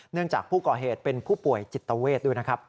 จากผู้ก่อเหตุเป็นผู้ป่วยจิตเวทด้วยนะครับ